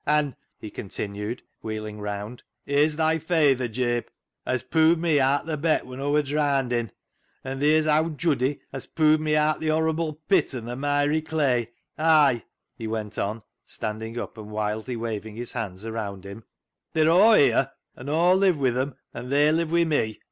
An'," he continued, wheeling round, " here's thy fayther, Jabe, as poo'ed mi aat o' th' Beck when Aw were draandin', and theer's owd Juddy, as poo'ed me aat o' the horrible pit an' the miry clay. Ay," he went on, standing up and wildly waving his hands around him, " they're aw here. An' Aw live wi' 'em, an' they live wi' me.